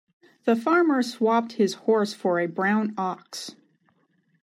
The farmer swapped his horse for a brown ox.